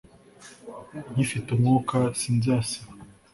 nkifite umwuka sinzasiba